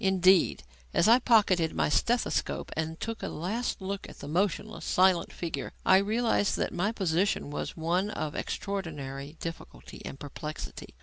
Indeed, as I pocketed my stethoscope and took a last look at the motionless, silent figure, I realized that my position was one of extraordinary difficulty and perplexity.